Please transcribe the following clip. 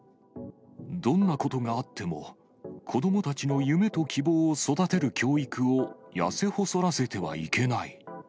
どんなことがあっても、子どもたちの夢と希望を育てる教育を痩せ細らせてはいけない。